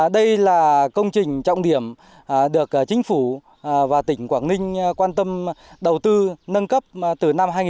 đây là công trình trọng điểm được chính phủ và tỉnh quảng ninh quan tâm đầu tư nâng cấp từ năm hai nghìn sáu cho đến nay